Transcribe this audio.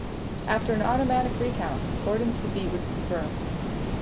After an automatic recount, Gordon's defeat was confirmed.